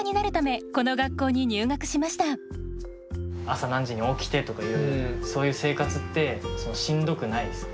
朝何時に起きてとかいろいろそういう生活ってしんどくないですか？